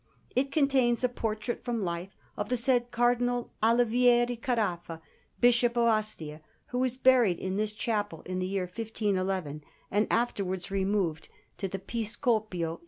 It contains a portrait from life of the said Cardinal Olivieri Caraffa, Bishop of Ostia, who was buried in this chapel in the year 1511, and afterwards removed to the Piscopio in Naples.